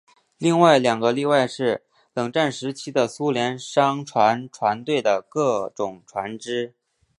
另外两个例外是冷战时期的苏联商船船队的各种船只。